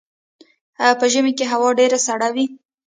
په ژمي کې هوا ډیره سړه وي